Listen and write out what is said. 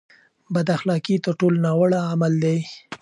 بد اخلاقي تر ټولو ناوړه عمل دی.